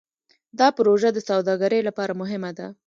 دا پروژه د سوداګرۍ لپاره مهمه ده.